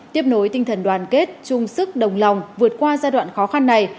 tiếp nối tinh thần đoàn kết chung sức đồng lòng vượt qua giai đoạn khó khăn này